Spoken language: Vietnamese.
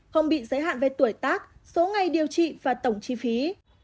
không bị giới hạn về tuổi tác số ngày điều trị và tổng chi phí